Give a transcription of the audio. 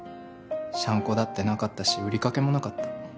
シャンコだってなかったし売り掛けもなかった。